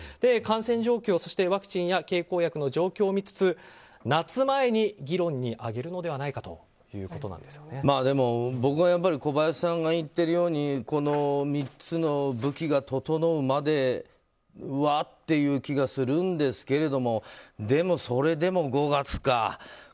感染状況そしてワクチンや経口薬の状況を見つつ夏前に議論に挙げるのでは僕は小林さんが言っているようにこの３つの武器が整うまではという気がするんですけれどもそれでも５月か。